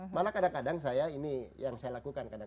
malah kadang kadang saya ini yang saya lakukan